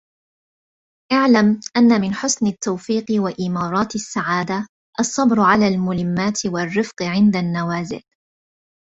اعْلَمْ أَنَّ مِنْ حُسْنِ التَّوْفِيقِ وَإِمَارَاتِ السَّعَادَةِ الصَّبْرُ عَلَى الْمُلِمَّاتِ وَالرِّفْقِ عِنْدَ النَّوَازِلِ